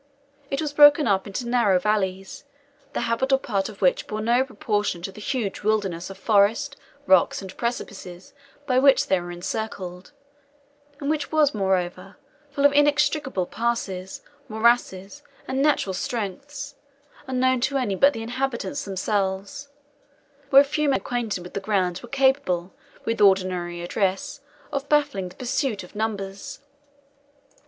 It was broken up into narrow valleys, the habitable part of which bore no proportion to the huge wildernesses of forest, rocks, and precipices by which they were encircled, and which was, moreover, full of inextricable passes, morasses, and natural strengths, unknown to any but the inhabitants themselves, where a few men acquainted with the ground were capable, with ordinary address, of baffling the pursuit of numbers.